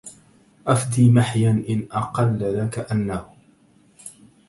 أفدي محيا إن أقل لك إنه